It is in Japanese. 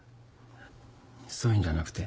そういうんじゃなくて。